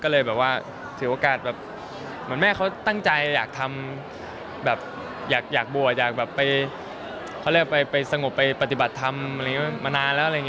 เหมือนแม่เขาตั้งใจอยากทำอยากบัวอยากไปสงบไปปฏิบัติธรรมมานานแล้ว